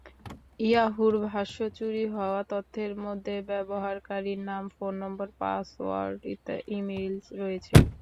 ইয়াহুর ভাষ্য, চুরি হওয়া তথ্যের মধ্যে ব্যবহারকারীর নাম, ফোন নম্বর, পাসওয়ার্ড, ইমেইল রয়েছে।